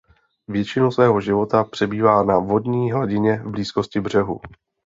Většinu svého života přebývá na vodní hladině v blízkosti břehu.